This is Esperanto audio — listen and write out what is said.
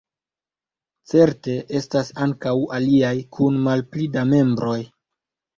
Certe estas ankaŭ aliaj, kun malpli da membroj.